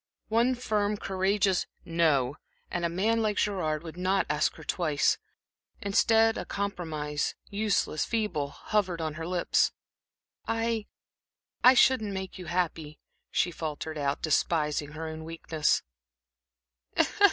One firm, courageous "No," and a man like Gerard would not ask her twice. Instead, a compromise, useless, feeble, hovered on her lips. "I shouldn't make you happy," she faltered out, despising her own weakness.